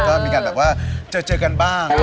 ก็มีการแบบว่าเจอกันบ้าง